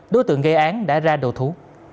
đối tượng gây án đã ra đồ thú